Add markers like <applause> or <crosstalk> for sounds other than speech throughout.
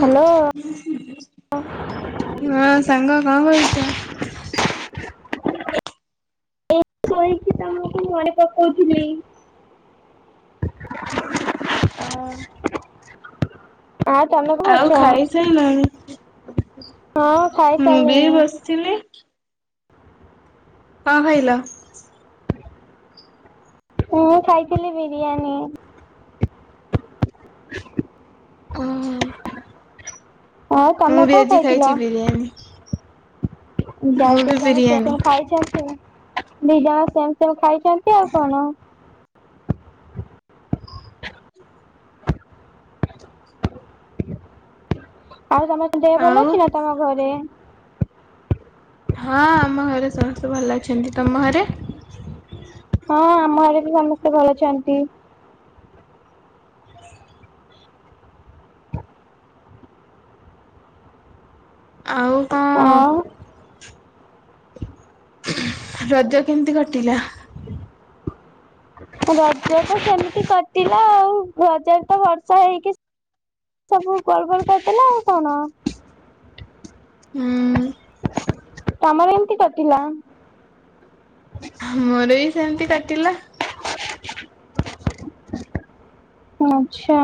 Hello ହଁ ସାଙ୍ଗ କଣ କରୁଛ? ଏ ଶୋଇକି ତମୁକୁ ମଣେ ପକଉଥିନି। ଆ <unintelligible> ଆଁ ତମେ ଘଉଚ ଖାଇଲଣି? ହଁ ଖାଇସାଇଲାଣି। ଚିଲି କନ୍ ଖାଇଲ? ମୁଁ ଖାଇଥିଲି ବିରିୟାନୀ। <unintelligible> ଉଁ ହୁଁ ଆଉ ମୁଁ ତମେ ବି କଣ ଆଜି ଖାଇଥିଲ? ଖାଇଚି ବିରିୟାନୀ। ମୁଁ ବି ବିରିୟାନୀ <unintelligible> ଦି ଜଣ ସେମ୍ ସେମ୍ ଖାଇଛନ୍ତି, ଆଉ କଣ? ଆଉ ତମ ଦେହ ଭଲ ଆଉ ଅଛି ନା ତମ ଘରେ ହଁ ଆମଘରେ ସମସ୍ତେ ଭଲ ଅଛନ୍ତି, ତମ ଘରେ? ହଁ ଆମ ଘରେ ବି ସମସ୍ତେ ଭଲ ଅଛନ୍ତି। ଆଉ କଁ? ଆଉ ଖୁଁ ରଜ କେମିତି କଟିଲା? ରଜ ତ ସେମିତି କଟିଲା ଆଉ ରଜରେ ତ ବର୍ଷା ହେଇକି ସବୁ ଗୋଳ୍ ଗୋଳ୍ କରିଦେଲା ଆଉ କଣ? ହୁଁ ତମର ଇମିତି କଟିଲା। ମୋର ବି ସେମିତି କଟିଲା। ଆଛା।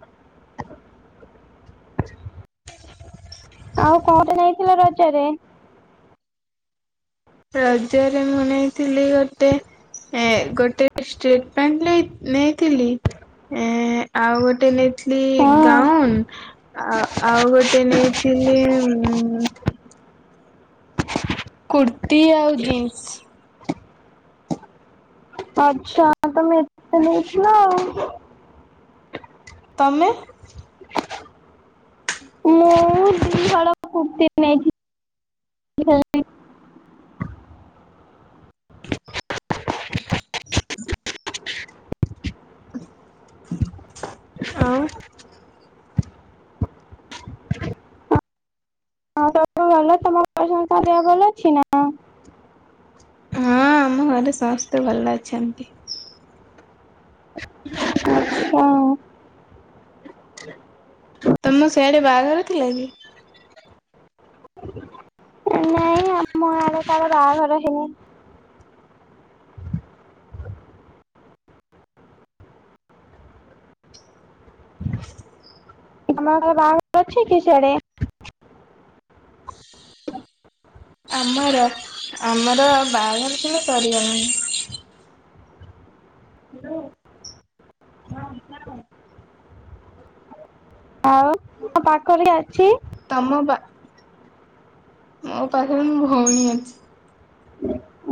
<unintelligible> ଆଉ କୁଆଡେ ଯାଇଥିଲ ରଜ ରେ? ରଜରେ ମୁଁ ନେଇଥିଲି ଗୋଟେ ଏ ଗୋଟେ ଷ୍ଟେଟ୍ ପ୍ୟାଣ୍ଟ୍ ନେ ନେଇଥିଲି। ଏଁ ଆଉ ଗୋଟେ ନେ ଥିଲି ହଁ ଗାଉନ୍ ଆ ଆଉ ଗୋଟେ ନେଇଥିଲି ମ୍ କୁର୍ତ୍ତି ଆଉ ଜିନ୍ସ। ଆଚ୍ଛା। ତମେ ଏତେ ନେଇଥିଲ ଆଉ ତମେ? <unintelligible> ମୁଁ ଦି ହଳ କୃତି ନେଇଥିଲି। <unintelligible> ଆଉ। ହଁ ତ ଭଲ, ତମ ସବୁ ଦେହ ଭଲ ଅଛି ନା। ହଁ ଆମ ଘରେ ସମସ୍ତେ ଭଲ ଅଛନ୍ତି। ହଁ ତମ ସିଆଡେ ବାହାଘର ଥିଲା କି? ନାଇ ମ ବାହାଘର ହେଲ୍- ତମର ବାହାଘର ଅଛି କି ସିଆଡେ? ଆମର ଆମର ବାହାଘରଥିଲା ସରିଗଲାଣି। ହାଲୋ। ହଁ କହ? ଆଉ ତମ ପାଖରେ କିଏ ଅଛି? ତମ ବା, ମୋ ପାଖରେ ମୋ ଭଉଣି ଅଛି।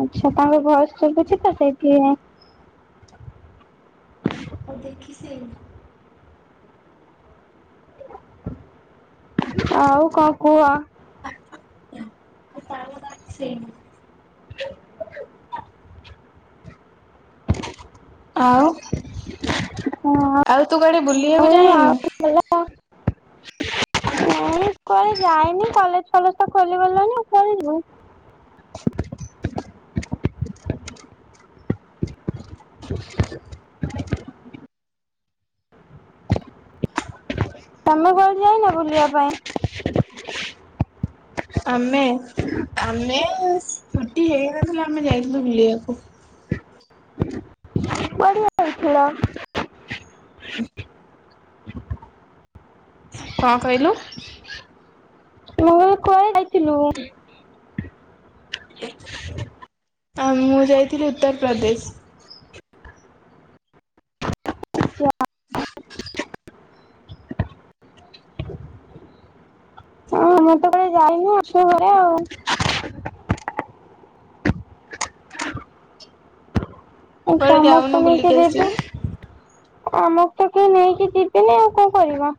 ଆଚ୍ଛା। ତାଙ୍କ ଭଏସ୍ ଶୁଭୁଚିତ ସେଥିପା- ହଉ ଦେଖି ସେ ଆଉ କଣ କୁହ? <unintelligible> ସେଇନ୍। <unintelligible> ଆଉ ହଁ। ଆଉ ତୁ କୁଆଡ଼େ ବୁଲିବାକୁ ଜାଇନୁ? କୁଆଡ଼େ ଯାଇନି କଲେଜ ଫଲେଜ ତ ଖୋଲିଗଲଣିି ଆଉ କୁଆଡେ ଯିବୁ। ତମେ କୁଆଡ଼େ ଯାଇନ ବୁଲିବା ପାଇଁ? ଆମେ ଆମେ ଛୁଟି ହେଇନଥିଲା ଆମେ ଯାଇଥିଲୁ ବୁଲିବାକୁ। କୁଆଡ଼େ ଯାଇଥିଲ? <unintelligible> କଣ କହିଲୁ? ତୁ କୁଆଡ଼େ ଯାଇଥିଲୁ? ଆ ମୁଁ ଯାଇଥିଲି ଉତ୍ତରପ୍ରଦେଶ। ସେ <inaudible> ହ ମତେ କ ଯାଇନି ଅଛୁ ଘରେ ଆଉ। <unintelligible> ଏ ଯାଉନୁ ସମସ୍ତେ ବୁଲିକି ନେଇକି ଯିବେ ଆସିବୁ ଆମକୁ ତ କେହି ନେଇକି ଯିବେନି ଆଉ କଣ କରିବି।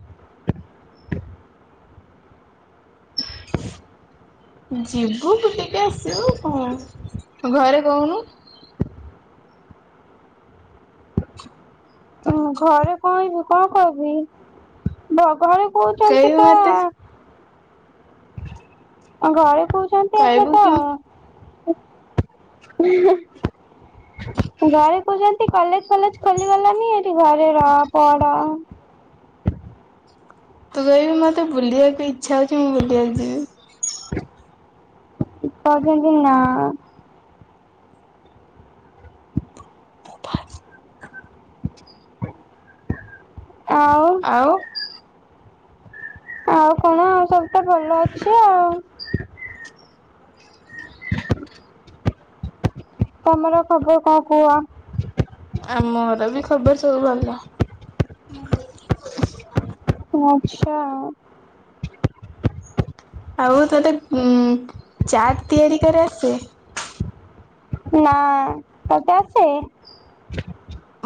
ଯିବୁୁ ଟିକେ ଆସିବୁ କଣ ଘରେ କହୁନୁ? ଉଁ ଘରେ କହିବି କଣ କହିବି ଭଗଳ କହୁଛନ୍ତି କହିବୁ ପା ମତେ ଆ ଘରେ କହୁ କହିବୁ କି ଘରେ କହୁଛନ୍ତି ଏଠ କଲେଜ ଫଲେଜ ଖୋଲିଗଲାନି ଏଠି ଘରେ ରହ ପଢ। ତୁ କହିବୁ ମତେ ବୁଲିବାକୁ ଇଚ୍ଛା ହଉଛି ମୁଁ ବୁଲିବାକୁ ଯିବି। କହୁଛନ୍ତି ନା। ଆଉ ଆଉ ଆଉ କଣ ଆ ସବୁ ତ ଭଲ ଅଛି ଆଉ। <inaudible> ତୁମର ଖବର କଣ କୁହ? ଆ ମୋର ବି ଖବର ସବୁ ଭଲ। ହୁଁ <unintelligible> ଆଛା। ଆଉ ତତେ ଉ ଚାଟ ତିଆରି କରି ଆସେ? ନା ତତେ ଆସେ?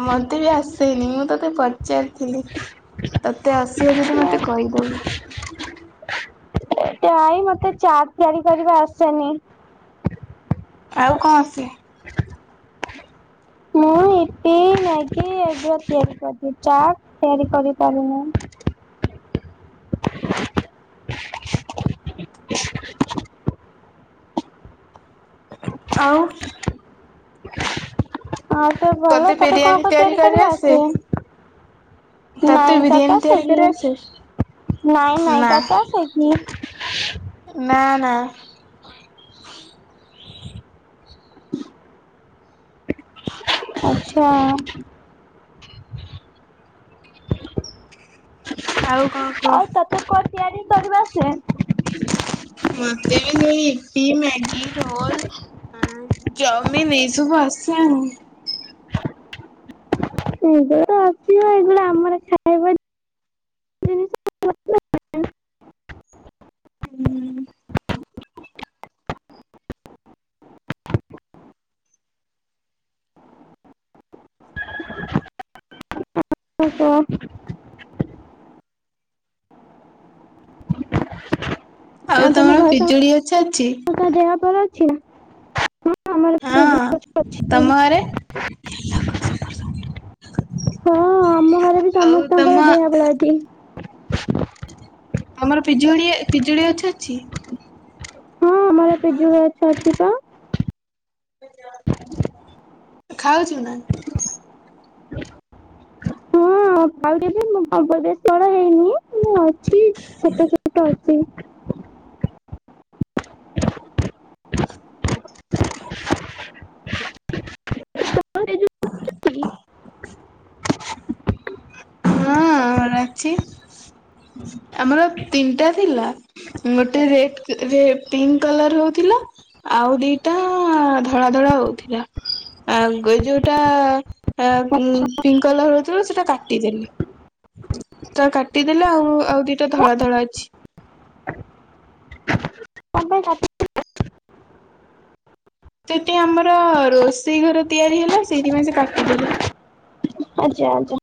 ମତେ ବି ଆସେନି ମୁଁ ତତେ ପ ପଚାରିଥିଲି ତତେ ଆସିବା ଯଦି ମତେ କହିବୁ। ତାଇ ମତେ ଚାଟ ତିଆରି କରିବା ଆସେନି। ଆଉ କଣ ଆସେ? ଆା <inaudible> ମୁଁ ଇପି ମ୍ୟାଗି ଏଗୁଡ଼ା ତିଆରି କରିିଦିଏ, ଚାଟ୍ ତିଆରି କରିପାରେନି। ଆଉ? ହଁ <unintelligible> ଭଲ, ତତେ କଣ-କଣ ତିଆରି କରିବା ଆସେ? ନାଇଁ ତତେ ବିରିୟାନୀ ଆସେ ତିଆରି କିି? କରି ଆସେ? ନାଇଁ-ନାଇଁ ତତେ ଆସେ କି? ନା-ନା। ଆଚ୍ଛା। ଆଉ କଣ କହ? ଆଉ ତତେ କଣ ତିଆରି କରିବା ଆସେ? ମତେ <unintelligible> ଇପି, ମ୍ୟାଗି, ରୋଲ୍, ଚାଉମିନ୍ ଏଇସବୁ ଆସେ ଆଉ। ଏଇଗୁଡା ତ ଅଛି ଏଇଗୁଡା ଆମର ଖାଇବା ଜିନିଷ <unintelligible> ହୁଁ। ଓହୋ। ଆଉ ତମ ତମର ଘରେ ପିଜୁଳି ଗଛ ଅଛି? <unintelligible> ଦେହ <unintelligible> ଅଛି ନା? ହଁ ଆମର ପିଜୁଳି ହଁ, ଗଛ ଅଛି। ତମ ଘରେ? ହଁ ଆମ ଘରେ ବି ଆଉ ତମ ସମସ୍ତଙ୍କର ଦେହ ଭଲ ଅଛି। ତମର ପିଜୁଳି-ପିଜୁଳି ଅଛି ଅଛି? ହଁ ଆମର ପିଜୁଳି ଗଛ ଅଛି ତ। ଖାଉଚୁ ନା? ହଁ <unintelligible> ମୁଁ <unintelligible> ବଡ ହେଇନି ମୁଁ ଅଛି ଛୋଟ-ଛୋଟ ଅଛି। <inaudible> ହ ହଁ ଆମର ଅଛି, ଆମର ତିନିଟା ଥିଲା। ଗୋଟେ ରେଟ୍ ରେ ପିଙ୍କ୍ କଲର୍ ହଉଥିଲା। ଆଉ ଦିଟା ଧଳା-ଧଳା ହଉଥିଲା। ଆଉ ଯୋଉଟା ଆ ପିଙ୍କ୍ କଲର୍ ହଉଥିଲା ସେଇଟା କାଟିଦେଲି। ଟା କାଟିଦେଲେ ଆଉ-ଆଉ ଦିଟା ଧଳା-ଧଳା ଅଛି। କଣ ପାଇଁ କାଟି ସେଠି ଆମର ରୋଷେଇ ଘର ତିଆରି ହେଲା, ସେଇଥିପାଇଁ ସେ କାଟିଦେଲେ। ଆଜା-ଆଜା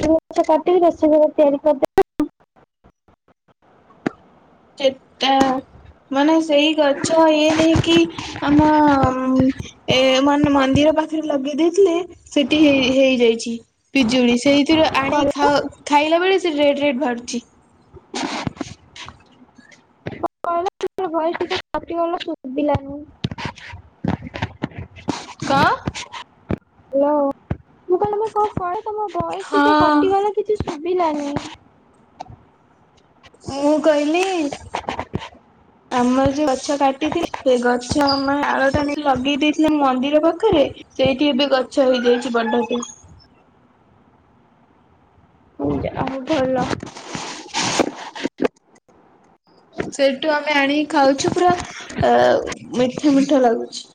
ପିଜୁଳି ଗଛ କାଟିକି ରୋଷେଇ ଘର ତିଆରି କରିଦେଲେ। ସେଟା ମାନେ ସେଇ ଗଛ ଇଏ ନେଇକିି ଆମ ଏ ମାନେ ମନ୍ଦିର ପାଖେରେ ଲଗେଇ ଦେଇଥିଲେ, ସେଠି ହେଇ ହେଇଯାଇଛି ପିଜୁଳି ସେଇ ଥିରୁ ଆଣି କହିଲ ଖାଇଲା ବେଳେ ସେ ରେଟ୍ ରେଟ୍ ବାହାରୁଛି। କହିଲ ତୋମର ଭଏସ୍ ଟିକେ କଟିଗଲା ସୁଭିଲନି। କଣ? ହାଲୋ, ମୁଁ କହିଲି ମୁଁ କଣ <unintelligible> ତମ ଭଏସ୍ ଟିକେ ହଁ। କଟିଗଲା କିଛି ଶୁଭିଲାନି। ମୁଁ କହିଲି ଆମର ଯୋଉ ଗଛ କାଟିଥିଲେ, ସେ ଗଛ ଆମ ଡ଼ାଳ ଟା ଲଗେଇ ଦେଇଥିଲେ ମନ୍ଦିର ପାଖେରେ ସେଇଠି ଏବେ ଗଛ ହେଇଯାଇଛି ବଡ କି। <unintelligible> ସେଇଠୁ ଆମେ ଆଣିକି ଖାଉଛୁ ପୁରା ଅ ମିଠା-ମିଠା ଲାଗୁଛି।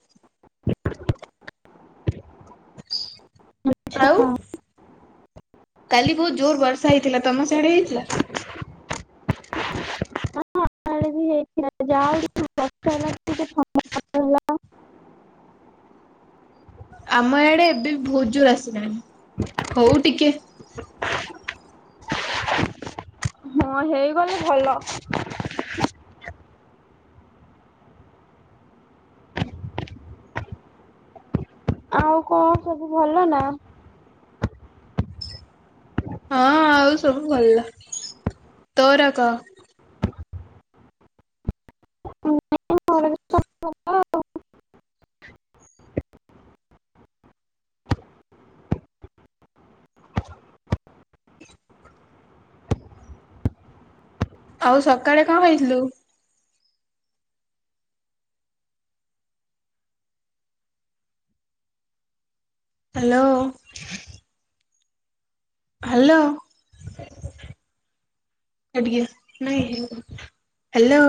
ଆଛା। ଆଉ କାଲି ବହୁତ ଜୋର ବର୍ଷା ହେଇଥିଲା ତମ ସିଆଡେ ହେଇଥିଲା? କାଳେ ହେଇଥିଲା ଯା ଟିକେ <unintelligible> <unintelligible> ଆମ ଆଡେ ଏବେ ବି ବହୁତ ଜୋର ଆସିିଲାଣି ହଉ ଟିକେ। ହଁ ହେଇ ଗଲେ ଭଲ। ଆଉ କଣ ସବୁ ଭଲ ନା? ହଁ ଆଉ ସବୁ ଭଲ, ତୋର କହ। ଘରେ ସବୁ ଭଲ? ଆଉ ସକାଳେ କଣ ଖଇଥିଲୁ? ହ୍ୟାଲୋ। ହ୍ୟାଲୋ। ଟିକେ ନାଇଁ ହେଇନି, ହ୍ୟାଲୋ।